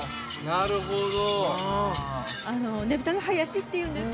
なるほど。